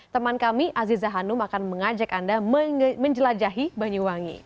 teman kami aziza hanum akan mengajak anda menjelajahi banyuwangi